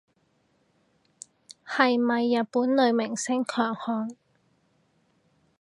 係咪日本女明星強項